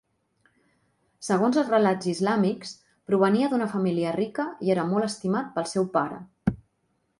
Segons els relats islàmics provenia d'una família rica i era molt estimat pel seu pare.